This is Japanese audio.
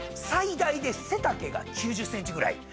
最大で背丈が９０ｃｍぐらい。